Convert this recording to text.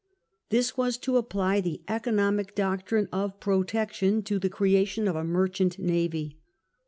This was to apply the economic doctrine of " protection " to the creation of a merchant navy.